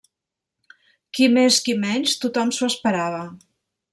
Qui més qui menys, tothom s'ho esperava.